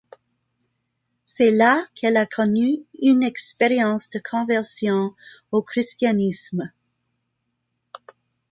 C'est là qu'elle a connu une expérience de conversion au christianisme.